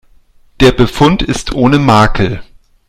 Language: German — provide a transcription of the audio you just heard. Der Befund ist ohne Makel.